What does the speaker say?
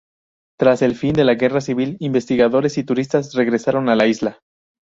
Tras el fin de la guerra civil, investigadores y turistas regresaron a la isla.